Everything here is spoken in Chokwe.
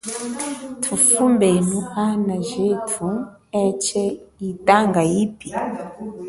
Thufumbenu ana jethu etshee yitanga yipi.